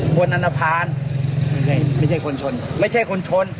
คนอนภารไม่ใช่คนชนไม่ใช่คนชน